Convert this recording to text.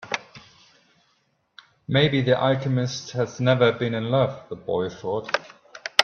Maybe the alchemist has never been in love, the boy thought.